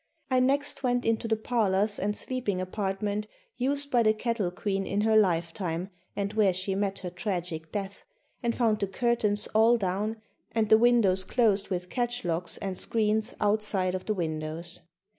I next went into the parlors and sleeping apartment used by the Cattle Queen in her lifetime and where she met her tragic death, and found the curtains all down and the windows closed with catch locks and screens outside of the windows.